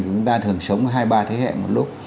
chúng ta thường sống hai ba thế hệ một lúc